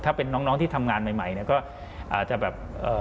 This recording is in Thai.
ถ้าเป็นน้องที่ทำงานใหม่ก็อาจจะแบบ